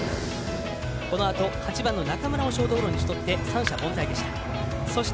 このあと８番の中村をショートゴロに打ち取って三者凡退でした。